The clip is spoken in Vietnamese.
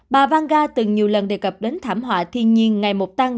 bà vang từng nhiều lần đề cập đến thảm họa thiên nhiên ngày một tăng